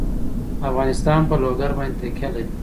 افغانستان په لوگر باندې تکیه لري.